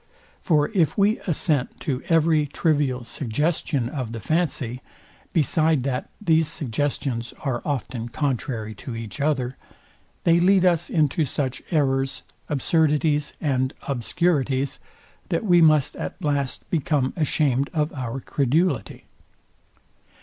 For if we assent to every trivial suggestion of the fancy; beside that these suggestions are often contrary to each other; they lead us into such errors, absurdities, and obscurities, that we must at last become ashamed of our credulity.